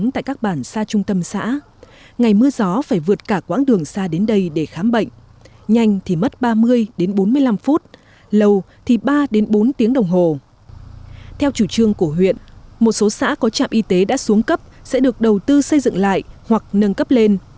trạm y tế của huyện một số xã có trạm y tế đã xuống cấp sẽ được đầu tư xây dựng lại hoặc nâng cấp lên